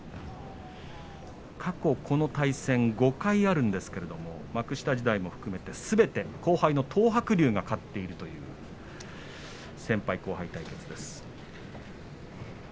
過去この対戦５回あるんですけれども幕下時代も含めて、すべて後輩の東白龍が勝っているという先輩、後輩対決です。